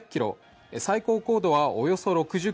最高高度はおよそ６０ｋｍ